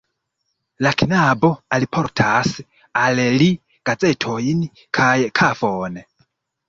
La knabo alportas al li gazetojn kaj kafon.